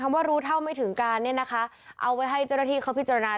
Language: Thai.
คำว่ารู้เท่าไม่ถึงการเอาไว้ให้เจ้าหน้าที่เขาพิจารณา